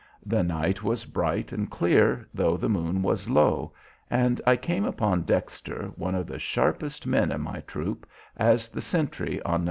The night was bright and clear, though the moon was low, and I came upon Dexter, one of the sharpest men in my troop, as the sentry on No.